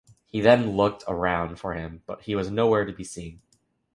He then looked around for him but he was no where to be seen.